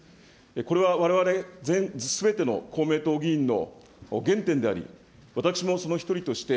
これはわれわれすべての公明党議員の原点であり、私もその一人として、